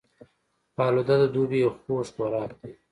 فالوده د دوبي یو خوږ خوراک دی